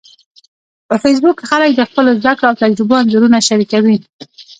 په فېسبوک کې خلک د خپلو زده کړو او تجربو انځورونه شریکوي